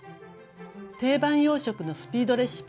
定番洋食のスピードレシピ。